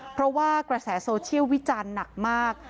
เพราะว่ากระแสโซเชียลวิจารณ์หนักมาก